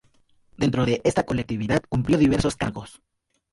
Dentro de esta colectividad cumplió diversos cargos.